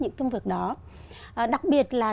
những công việc đó đặc biệt là